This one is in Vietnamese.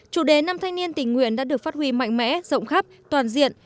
chủ đề năm thanh niên tình nguyện đã được phát huy mạnh mẽ rộng khắp toàn diện